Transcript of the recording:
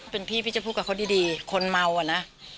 เป็นพี่พี่จะพูดกับเขาดีคนเมาอะนะ